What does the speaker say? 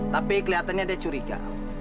tapi kelihatannya dia curiga